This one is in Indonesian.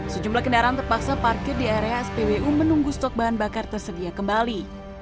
sejumlah kendaraan terpaksa parkir di area spbu menunggu stok bahan bakar tersedia kembali